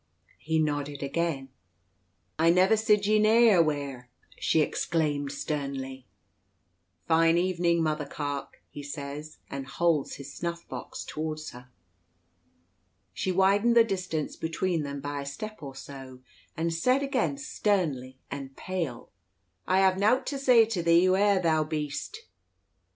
He nodded again. "I never sid ye neyawheere," she exclaimed sternly. "Fine evening, Mother Carke," he says, and holds his snuff box toward her. She widened the distance between them by a step or so, and said again sternly and pale, "I hev nowt to say to thee, whoe'er thou beest."